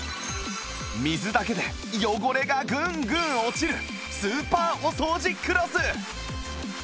水だけで汚れがグングン落ちるスーパーお掃除クロス